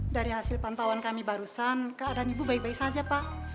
dari hasil pantauan kami barusan keadaan ibu baik baik saja pak